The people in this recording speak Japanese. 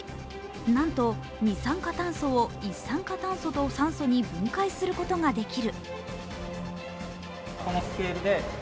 なんと二酸化炭素を一酸化炭素と酸素に分解することができる。